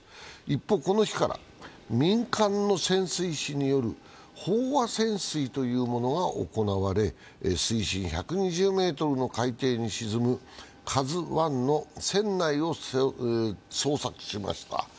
一方、この日から民間の潜水士による飽和潜水というものが行われ水深１２０ｍの海底に沈む「ＫＡＺＵⅠ」の船内を捜索しました。